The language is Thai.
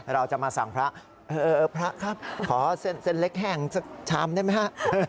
เราจะมาสั่งพระพระครับขอเส้นเล็กแห่งชามได้ไหมครับ